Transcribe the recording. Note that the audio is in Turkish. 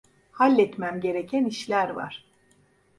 Halletmem gereken işler var.